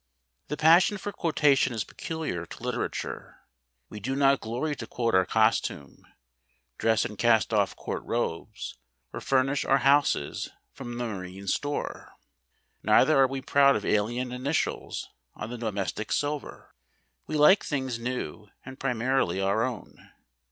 The passion for quotation is peculiar to literature. We do not glory to quote our costume, dress in cast off court robes, or furnish our houses from the marine store. Neither are we proud of alien initials on the domestic silver. We like things new and primarily our own.